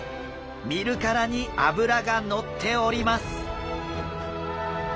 見るからに脂が乗っております！